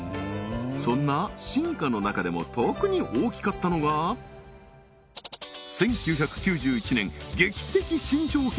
そんな進化の中でも特に大きかったのが１９９１年劇的新商品